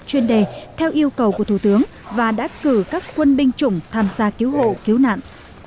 chuyên đề theo yêu cầu của thủ tướng và đã cử các quân binh chủng tham gia cứu hộ cứu nạn